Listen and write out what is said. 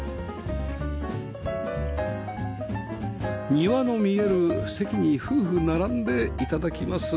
庭の見える席に夫婦並んで頂きます